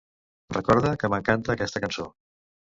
Recorda que m'encanta aquesta cançó.